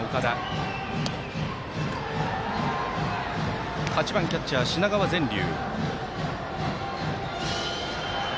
バッター８番、キャッチャー、品川善琉。